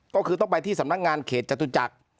ก็คือต้องไปที่สำนักงานเขตจตุจักร